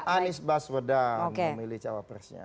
mas anies basudian memilih jawabannya